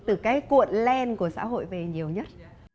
từ cái cuộn len của xã hội về nhiều nhất